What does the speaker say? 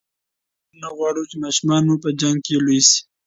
موږ نه غواړو چې ماشومان مو په جنګ کې لوي شي.